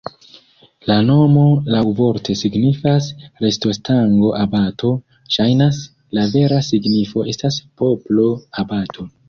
La nomo laŭvorte signifas rostostango-abato, ŝajnas, la vera signifo estas poplo-abato.